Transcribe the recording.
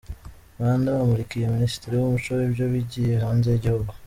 Rwanda bamurikiye Minisitiri w’umuco ibyo bigiye hanze y’igihugu